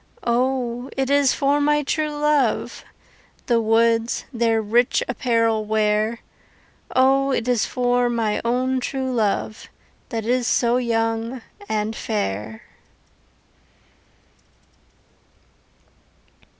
O, it is for my true love The woods their rich apparel wear O, it is for my own true love, That is so young and fair.